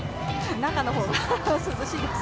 中のほうが涼しいです。